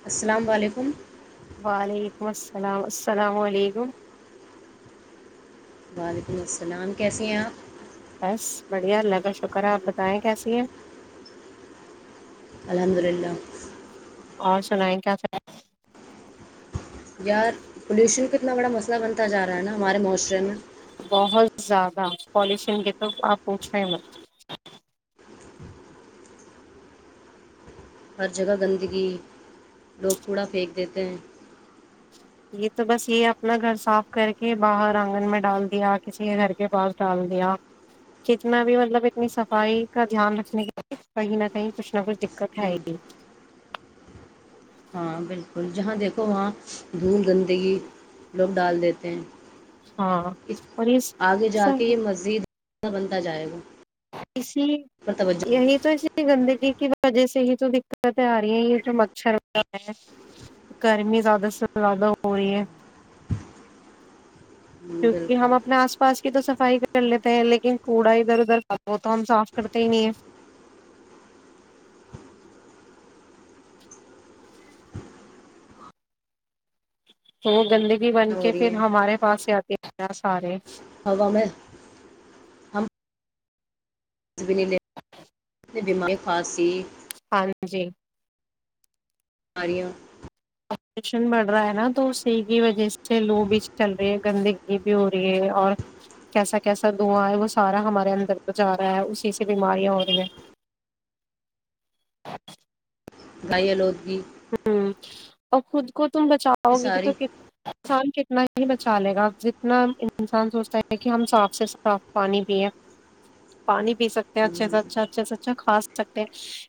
[inaudible] وعلیکم السلام السلام علیکم وعلیکم السلام کیسی ہیں آپ بس بڑھیا اللہ کا شکر ہے آپ بتائیں کیسی ہیں الحمد للہ اور سنائیں کیا کر یار پولوشن کا کتنا بڑا مسئلہ بنتا جا رہا ہے نا ہمارے معاشرے میں بہت زیادہ پالیشن کے تو آپ پوچھو ہی مت ہر جگہ گندگی لوگ کوڑا پھینک دیتے ہیں یہ تو بس یہ اپنا گھر صاف کر کے باہر آنگن میں ڈال دیا کسی کے گھر کے پاس ڈال دیا کتنا بھی مطلب اتنی صفائی کا دھیان رکھنے کے لیے کہیں نہ کہیں کچھ نہ کچھ ہم، [inaudible] ہاں بلکل جہاں دیکھو وہاں دھول گندگی لوگ ڈال دیتے ہیں ہاں اور یہ آگے جا کے سب یہ مزید بنتا جائے گا اسی پر توجہ دیں۔ یہی تو اسی گندی کی وجہ سے ہی تو دقتیں آ رہی ہیں یہ جو مچھر ہے گرمی زیادہ سے زیادہ ہو رہی ہے کیونکہ ہم اپنے آس پاس کی تو صفائی کر لیتے ہیں لیکن کوڑا ادھر ادھر خ ہو تو ہم صاف کرتے ہی نہیں ہیں ہو گندے بن ہو کے رہی پھر ہیں ہمارے پاس آ آ سارے ہوا میں ہم [inaudible] [inaudible] لیتے بیماری خاصی ہاں جی بیماریاں آپریشن بڑھ رہا ہے نا تو اسی کی وجہ سے لو بیچ چل رہی ہے گندگی بھی ہو رہی ہے اور کیسا کیسا دھواں ہے وہ سارا ہمارے اندر تو جا رہا ہے اسی سے بیماریاں ہو رہی ہیں گائی آلوود کی ہمم اور خود کو تم بچاؤ گے ساری تو ک انسان کتنا ہی بچا لے گا ن انسان سوچتا ہے کہ ہم صاف سے صاف پانی پے پانی بھی سکتے اچھے ہم، سے اچھا اچھے سے اچھا کھا س سکتے ہیں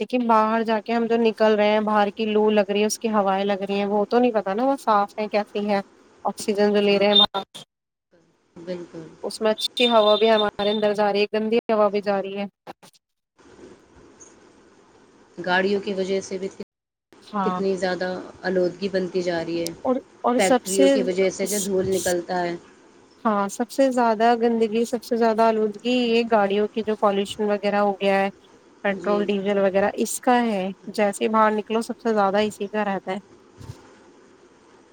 لیکن باہر جا کے ہم جو نکل رہے ہیں باہر کے کی لو لگ رہی ہے اس کی ہوائیں لگ رہی ہیں وہ تو نہیں پتا نا وہ صاف ہے کیسی ہے آکسیجن جو لے رہے ہیں وہاں بلکل اچھی ہوا بھی ہمارے اندر جا رہی ہے گندی ہوا بھی جا رہی ہے گاڑیوں کی وجہ سے بھی تھی ہاں کتنی زیادہ آلودگ بنتی جا رہی ہے اور اور سب فیکٹریوں سے کی وجہ سے جو دھول نکلتا ہے ہاں سب سے زیادہ گندگی سب سے زیادہ آلودگی یہ گاڑیوں کی جو پالوشن وغیرہ ہو گیا ہے جی پیٹرول ڈیزل وغیرہ اس کا ہے جیسے باہر نکلو سب سے زیادہ اسی کا رہتا ہے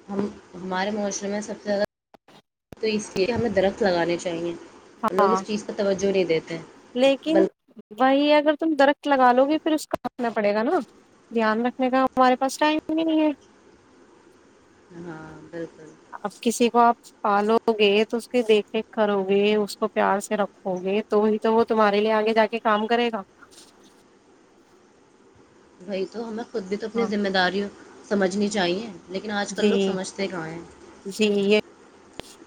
ہم ہمارے معاشرم میں سب سے زیادہ تو اس لیے ہمیں درخت لگانے چاہیے لوگ ہاں اس چیز پر توجہ جی [unintelligible] بلک [unintelligible] بی اگر تم درخت لگا لو گے پھر اس کانا پڑے گا نا دھیان رکھنے کا ہمارے پاس ٹائم ہی نہیں ہے ب [unintelligible] اپ کسی کو آپ پالو گے تو اس کی دیکھ ریکھ کرو گے اس کو پیار سے رکھو گے تو ہی تو وہ تمہارے لیے آگے جا کے کام کرے گا بھائی تو ہمیں [unintelligible] خود بھی تو اپنی ہاں ذمہ داریوں سمجھنی چاہیے لیکن آج کل جی لوگ سمجھتے کہاں ہیں جی یہ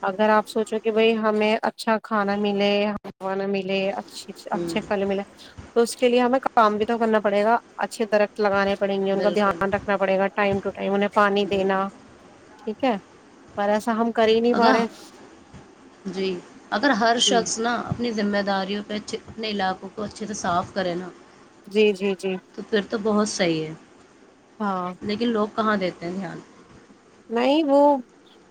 اگر آپ سوچو کہ بھائی ہمیں اچھا کھانا ملے ہانا ملے [unintelligible] اچ ہوں اچھے کل ملا [unintelligible] تو اس کے لیے ہمیں کام بھی تو کرنا پڑے گا اچھے درخت لگانے پڑیں گے ان کا بالکل دھیان رکھنا پڑے گا ٹائم ٹو ٹائم انہیں پانی بالکل دینا ٹھیک ہے پر ایسا ہم کریں [unintelligible] اگر جی اگر ہر ہ شخص نا اپنی [unintelligible] ذمہ داریوں پہ اچھے اپنے علاقوں کو اچھے سے صاف کرینا جی جی جی [unintelligible] تو بہت صحیح ہے ہاں [unintelligible] لیکن لوگ [unintelligible] کہاں دیتے ہیں دھیان نہیں وہ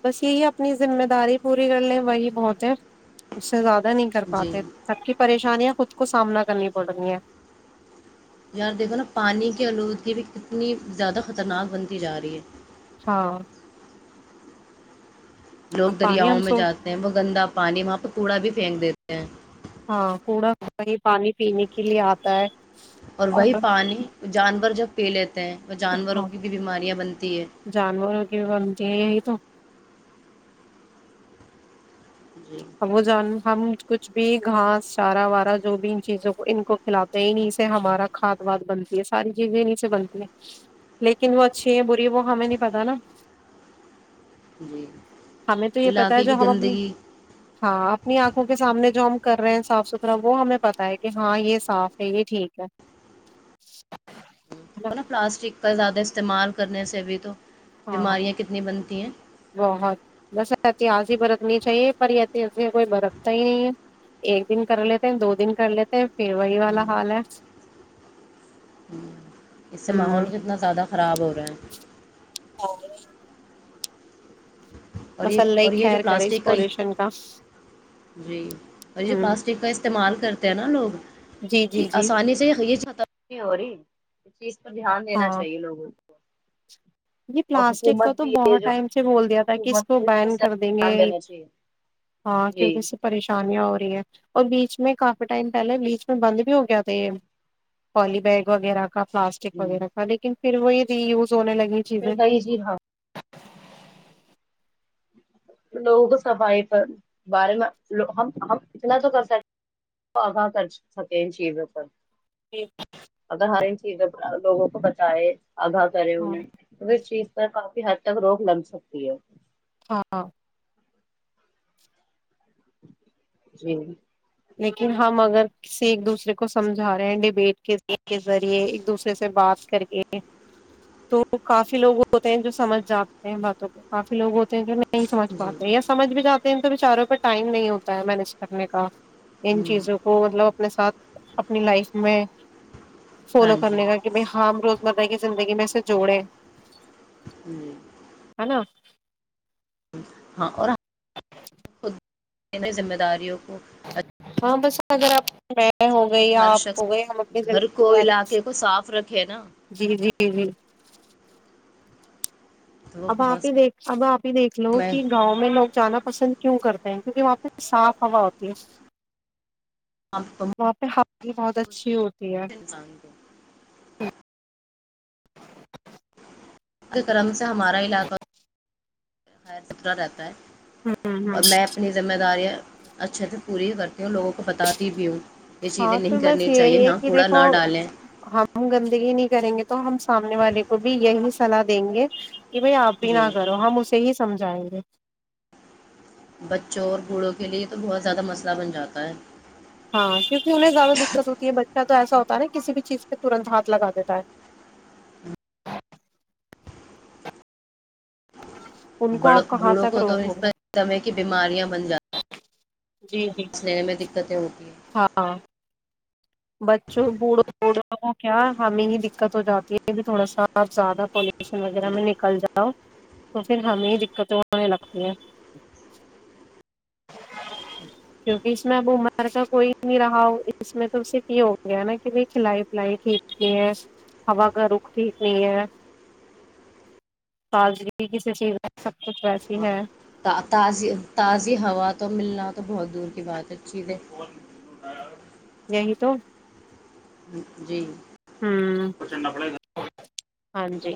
بس یہی اپنی ذمہ داری پوری کر لیں وہی بہت ہے اس سے زیادہ نہیں کر جی پاتے سب کی پریشانی [unintelligible] پریشانیاں خود کو سامنا کرنی پڑ رہی ہیں یار دیکھو نا پانی کی آلودگی بھی کتنی زیادہ خطرناک بنتی جا رہی ہے ہاں لوگ اب پانی دریاؤں ہم میں سو جاتے ہیں وہ گندا پانی وہاں پہ کوڑا بھی پھینک دیتے ہیں ہاں کوڑا وہیں پانی پینے کے لیے آتا ہے اور وہی پانی جانور جب پلت [unintelligible] ہاں ہے جانور و کیے [unintelligible] توچ [unintelligible] جی اب وہ جان ہم کچھ بھی گھاس چارہ وارہ جو بھی ان چیزوں کو ان کو کھلاتے ہیں انیں سے ہمارا کھاد واد بنتی ہے ساری چیزیں انیں سے بنتی ہے لیکن وہ اچھی ہے بری وہ ہمیں نہیں پت نا جی [unintelligible] ہمیں تو یہ پتہ ہے علاقے جو کی ہم اپ گندگی ہاں اپنی آنکھوں کے سامنے جو ہم کر رہے ہیں صاف ستھرا وہ ہمیں پت ہے کہ ہاں یہ صاف ہے یہ ٹھیک ہے نا پلاسٹک [unintelligible] کا زیادہ استعمال کرنے سے بھی تو ہاں بیماریاں کتنی بنتی ہیں بہت بس [unintelligible] اتہسی ہی برتنی چاہیے پر یہس کوئی برتتا ہی نہیں ہے ایک دن کر لیتے ہیں دو دن کر لیتے ہیں پھر وہی والا حال ہے اس سے ہوں ماحول کتنا زیادہ خراب ہو رہا ہے چ اور یہ ہی اور یہ جو خیر کرے اس پلاسٹک کا پالوشن کا جی اور یہ جو ہ پلاسٹک کا استعمال کرتے ہیں نا لوگ جی جی یہ جی آسانی سے یہ چھ نہیں ہو رہی اس چیز پر دھیان دینا چاہیے لوگوں کو ج اور پلاسٹک کو حکومت تو بھی ہے بہت جو ٹائم سے بول دیا تھا کہ کس حکومت کو اس پر بین سخت کر دیں گے دھیان دینا چاہیے ہاں کیونکہ اس جی سے پریشان ہو رہی ہے اور بیچ میں کافی ٹائم پہلے بیچ میں بند بھی ہو گیا تھے یہ پالی بیگ وغیرہ کا پلاسٹک وغیرہ کا لیکن پھر وہ یہ یوز ہونے لگی پھر چیزیں بائیے جی ہاں لوگوں کو صفائی پر بارے میں ہم ہم اتنا تو کر سکتے آگاں کر سکیں ان چیزوں پر جی مطگر ہر ان چیز لوگوں کو بچائے ادا کرے ہاں انہیں وہ چیز کافی حد تک روک لگ سکتی ہے ہاں ہاں جی لیکن ہم اگر کسی ایک دوسرے کو سمجھا رہے ہیں ڈبیٹ کے کے ذریعے ایک دوسرے سے بات کر کے تو کافی لوگ ہوتے ہیں جو سمجھ جاتے ہیں باتوں کو کافی لوگ ہوتے جو نہیں سمجھ جی پاتے یا سمجھ بھی جاتے دن تو بچاروں کا ٹائم نہیں ہوتا ہے مینج کرنے کا ان ہوں چیزوں کو مطلب اپنے ساتھ اپنی لائف میں ہاں فالو جی کرنے کا کہ بھائی ہم روزمرہ کی زندگی میں سے جوڑے ہی جی نا ہاں اور خ ذمہ داریوں اوکے اچھا ہاں بس اگر آپ میں ہو گئی یا ہر آپ شخص ہو گئی ہم اپنی گھر کو زنداری علاقے کو صاف رکھے نا جی جی جی تو وہ اب آپ بہت ہی دیکھ اب آپ ہی دیکھ لو میں کہ گاؤں میں لوگ جانا پسند کیوں کرتے کیونکہ وہاں پہ صاف ہوا ہوتی ہے وہاں پہ ہ بہت اچھی ہوتی ہے انسان کو [inaudible] کے کرم سے ہمارا علاقہ خیر ستھرا رہتا ہے اور میں اپنی ذمہ دارییا اچھا تو پورورت ہاں تو نہیں بس کرنی چاہیے یہی ہے یہاں کہ کوڑا دیکھو نہ ڈالیں ہم گندگی نہیں کریں گے تو ہم سامنے والے کو بھی یہی چلاحد ہنے کہ بھائی آپ بھی جی نہ کرو ہم اسے ہی سمجھائیں گے بچوں اور بوڑھوں کے لیے تو بہت زیادہ مسئلہ بن جاتا ہے ہاں کیونک انہیں زیادہ دقت ہوتی ہے بچہ تو ایسا ہوتا نا کسی بھی چیز پہ ترنت ہاتھ لگا دیتا ہے ان کو ڑ آپ کہاں بوڑھوں تک کو تو روکو اس گے پرم ہے کہ بیماریاں بن جی جی جاتی میں دقتیں ہوتی ہیں ہاں بچوں بوڑھوں بھوں کو کیا ہمیں ہی دقت ہو جاتی ہے یہ بھی تھوڑا سا آپ زیادہ پ اسٹیشن وغیرہ ہیں نک ج تو پھر ہمیں دقتیں ہونے لگتی ہیں کیونکہ اس میں اب عمر کا کوئی نہیں رہا ہو اس میں تو صرف یہ ہو گیا نا کہ ب کھلائی پلائی ٹھیک نہیں ہے ہوا کا رخ ٹھیک نہیں ہے تازگی کسی چیز سب کچھ ویسی ہے تازی تازی ہوا تو ملنا تو بہت دور کی بات ہے اچ چھیز ہے یں گ تو جی ہوں اپرچنڈا پل گ ہاں جی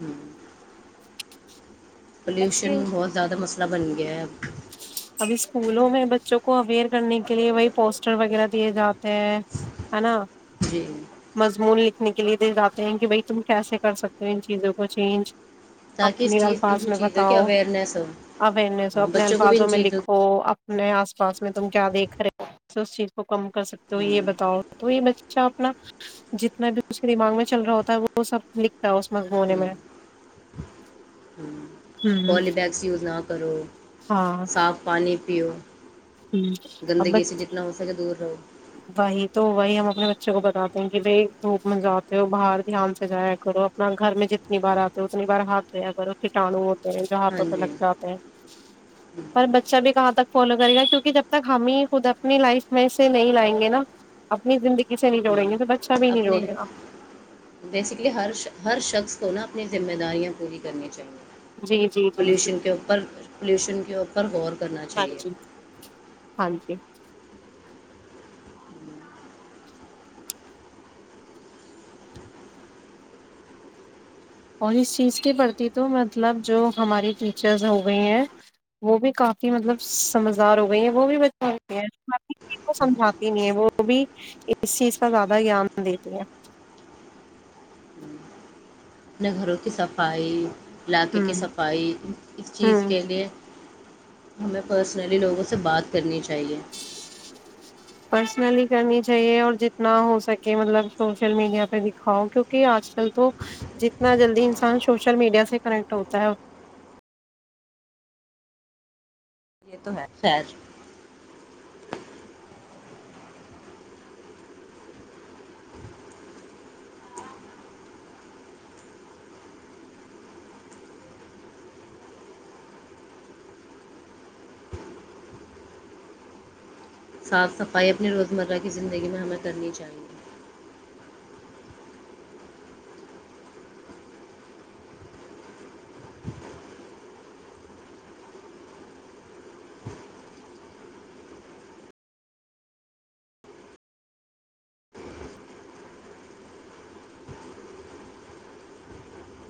ہوں پولوشن ویسے بہت زیاد مس لبن گ ابھی اسکولوں میں بچوں کو اویئر کرنے کے لیے وہی پوسٹر وغیرہ دیے جاتے ہیں ہے نا جی مضمون لکھنے کے لیے دیے جاتے ہیں کہ بائی تم کیسے کر سکتے ہو ان چیزوں کو چینج تاکہ اس اپنی چیز الفاظ ان میں چیزوں کی بتاؤ اویئرنیس ہو اوئرنیس ہو ہاں اپنے بچوں کو بھی الفاظ ان میں چیزوں لکھو آپ نئے آس پاس میں تم کیا دیکھ رہے اس چیز کو کم کر سکتے ہو یہ بتاؤ تو یہ بچہ اپنا جتنا بھی اس کے دماغ میں چل رہا ہوتا ہے وہ سب لکھتا ہے اس مضمونے میں ہوں پالی بگس یوز نہ کرو صاف پانی جیو ہ ا ب دور رہو وہی تو وہی ہم اپنے بچوں کو بتاتے ہیں کہ بھائی دھوپ من جاتے ہو باہر دھیان سے جایا کرو اپنا گھر میں جتنی بار آتے ہو اتنی بار ہاتھ دھیا کرو کیٹاو ہو جاں ہاں تووں پہ جی لگ جاتے ہیں پر بچہ بھی کہاں تک فالو کرے گا کیوںک کہ جب تک ہم ہی خود اپنی لائف میں سے نہیں لائیں گے نا اپنی زندگی سے نہیں جوڑیں گے تو بس اپنے بیسکلی ہر ہر شخص تو نہا اپنی ذمہ داریاں پوری کرنی جی جی چاہیے جی جی پلیوشن کے اوپر غور کرنا ہاں چاہیئے جی ہاں جی اور اس چیز کے پرتی تو مطلب جو ہماری ٹیچرز ہو گئی ہیں وہ بھی کافی مطلب سمجھدار ہو گئی ہیں وہ بھی بچ کو سمجھاتی نہیں ہے وہ بھی اس چیز کا زیادہ گیان دیتی ہے اپنے گھروں کی صفائی علاقے کی ہوں صفائی اس چیز ہوں کے لیے ہمیں پرسنلی لوگوں سے بات کرنی چاہیے پرسنلی کرنی چاہیے اور جتنا ہو سکے مطلب سوشل میڈیا پہ دکھاؤ کیونکہ آج کل تو جتنا جلدی انسان سوشل میڈیا سے کنیکٹ ہوتا ہے یہ تو ہے خیر صاف صفائی اپنے روزمرہ کی زندگی میں ہمل کرنی چاہیے